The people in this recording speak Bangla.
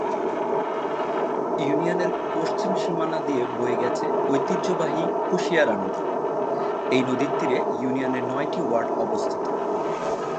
ইউনিয়নের পশ্চিম সীমানা দিয়ে বয়ে গেছে ঐতিহ্যবাহী কুশিয়ারা নদী, এই নদীর তীরে ইউনিয়নের নয়টি ওয়ার্ড অবস্থিত।